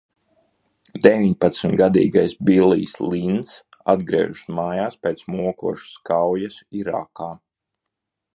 Deviņpadsmitgadīgais Billijs Linns atgriežas mājās pēc mokošas kaujas Irākā.